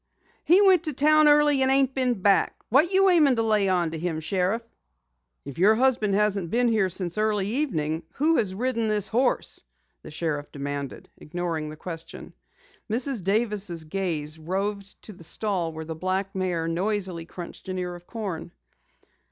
"He went to town early and ain't been back. What you aimin' to lay onto him, Sheriff?" "If your husband hasn't been here since early evening, who has ridden this horse?" the sheriff demanded, ignoring the question. Mrs. Davis' gaze roved to the stall where the black mare noisily crunched an ear of corn.